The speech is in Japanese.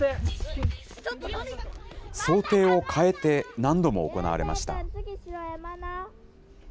想定を変えて何度も行われました。